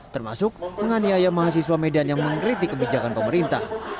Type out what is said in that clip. termasuk menganiaya mahasiswa medan yang mengkritik kebijakan pemerintah